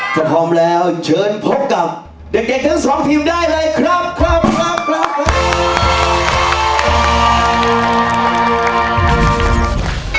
ถ้าพร้อมแล้วเชิญพบกับเด็กทั้งสองทีมได้เลยครับครับ